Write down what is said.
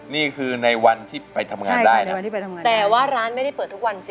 นี่คือในวันที่ไปทำงานได้นะแต่ว่าร้านไม่ได้เปิดทุกวันสิ